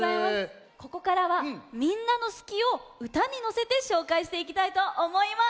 ここからはみんなの「すき」をうたにのせてしょうかいしていきたいとおもいます。